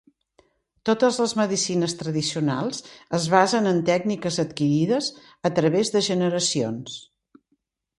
Totes les medicines tradicionals es basen en tècniques adquirides a través de generacions.